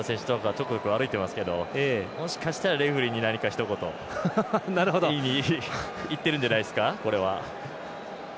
ちょこちょこ歩いていますけどもしかしたら、レフリーに何かひと言言いにいってるんじゃないですかこれは。